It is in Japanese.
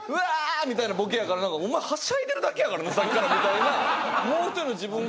みたいなボケやから「お前はしゃいでるだけやからなさっきから」みたいなもう１人の自分が。